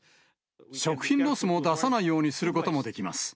食品ロスを出さないようにすることもできます。